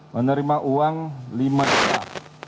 menerima uang lima juta